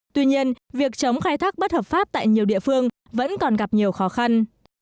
tuy nhiên việc chống khai thác bất hợp pháp tại nhiều địa phương vẫn còn gặp nhiều khó khăn